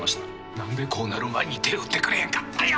何でこうなる前に手打ってくれんかったんや。